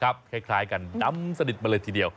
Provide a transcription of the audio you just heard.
คล้ายกันดำสนิทมาเลยทีเดียว